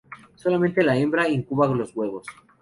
Solamente la hembra incuba los huevos.